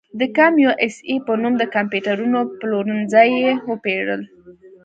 د کمپ یو اس اې په نوم د کمپیوټرونو پلورنځي یې وپېرل.